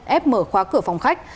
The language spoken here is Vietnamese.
ép mở khóa cửa phòng khách